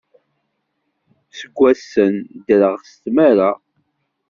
Seg wassen ddreɣ s tmara.